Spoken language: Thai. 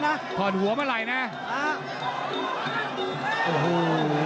มันต้องอย่างงี้มันต้องอย่างงี้